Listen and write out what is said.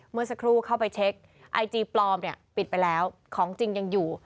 เมื่อสักครู่เข้าไปเช็คไอจีปลอมเนี่ยปิดไปแล้วของจริงยังอยู่